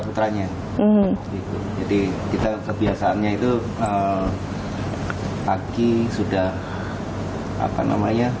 katanya orang jawa batu ular itu bahasa jawanya